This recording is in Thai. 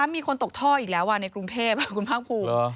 มีคนตกท่ออีกแล้วในกรุงเทพคุณภาคภูมิ